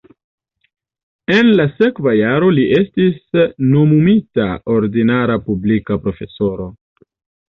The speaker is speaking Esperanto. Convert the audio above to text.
En la sekva jaro li estis nomumita ordinara publika profesoro.